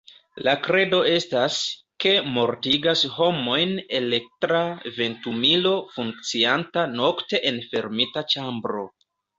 La kredo estas, ke mortigas homojn elektra ventumilo funkcianta nokte en fermita ĉambro.